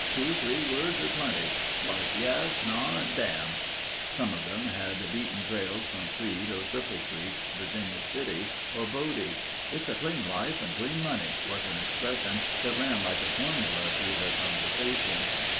Two three words are plenty—like yes, naw, and dam'." Some of them had beaten trails from Crede or Cripple Creek, Virginia City or Bodie. "It's a clean life and clean money," was an expression that ran like a formula through their conversation.